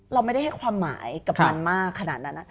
เราไม่ได้ให้ความหมายกับมันมากขนาดนั้น